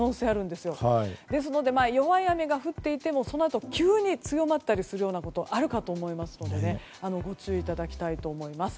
ですので弱い雨が降っていてもそのあと急に強まったりするようなことがあるかと思いますのでご注意いただきたいと思います。